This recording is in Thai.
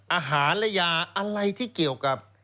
อาหารและยาอะไรที่เกี่ยวกับ